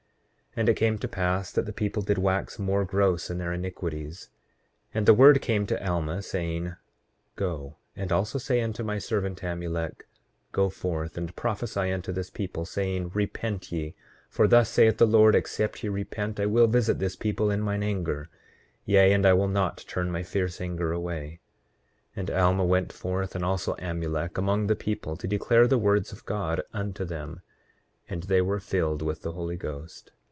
8:28 And it came to pass that the people did wax more gross in their iniquities. 8:29 And the word came to Alma, saying: Go; and also say unto my servant Amulek, go forth and prophesy unto this people, saying—Repent ye, for thus saith the Lord, except ye repent I will visit this people in mine anger; yea, and I will not turn my fierce anger away. 8:30 And Alma went forth, and also Amulek, among the people, to declare the words of God unto them; and they were filled with the Holy Ghost.